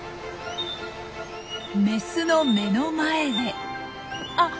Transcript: メスの目の前であ！